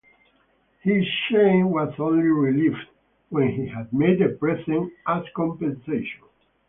His shame was only relieved when he had made a present as compensation.